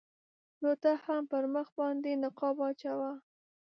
نو ته هم پر مخ باندې نقاب واچوه.